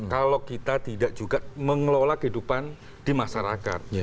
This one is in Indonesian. kalau kita tidak juga mengelola kehidupan di masyarakat